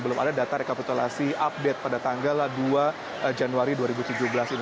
belum ada data rekapitulasi update pada tanggal dua januari dua ribu tujuh belas ini